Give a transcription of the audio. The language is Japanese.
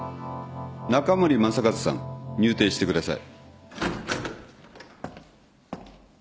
中森雅和さん入廷してください。